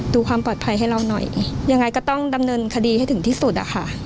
ดูความปลอดภัยให้เราหน่อยยังไงก็ต้องดำเนินคดีให้ถึงที่สุดอะค่ะ